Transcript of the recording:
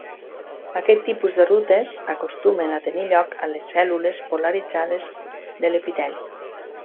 Aquest tipus de rutes acostumen a tenir lloc a les cèl·lules polaritzades de l’epiteli.